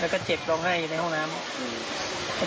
แล้วก็เจ็บร้องไห้ในห้องน้ำ